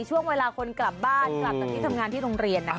ช่วงเวลาคนกลับบ้านกลับจากที่ทำงานที่โรงเรียนนะคะ